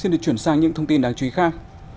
xin được chuyển sang những thông tin đáng chú ý khác